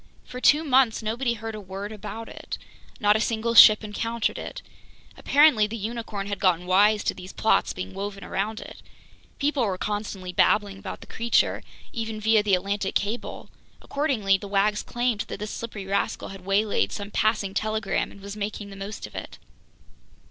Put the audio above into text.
For two months nobody heard a word about it. Not a single ship encountered it. Apparently the unicorn had gotten wise to these plots being woven around it. People were constantly babbling about the creature, even via the Atlantic Cable! Accordingly, the wags claimed that this slippery rascal had waylaid some passing telegram and was making the most of it.